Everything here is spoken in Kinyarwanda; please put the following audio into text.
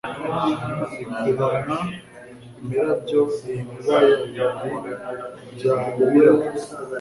Ikubana imirabyo Iyi nkuba ya Birori bya Biraro